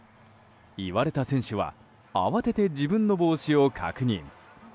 言われた選手は慌てて自分の帽子を確認。